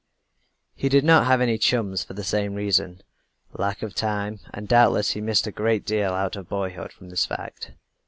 He did not have any chums for the same reason, lack of time, and doubtless he missed a great deal out of boyhood from this fact.